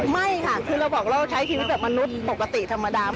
ไม่ค่ะคือเราบอกเราใช้ชีวิตแบบมนุษย์ปกติธรรมดา